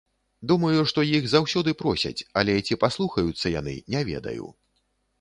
Думаю, што іх заўсёды просяць, але ці паслухаюцца яны, не ведаю.